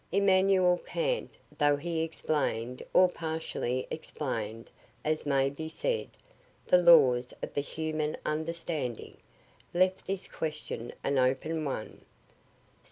Immanuel Kant, though he explain'd or partially explain'd, as may be said, the laws of the human understanding, left this question an open one.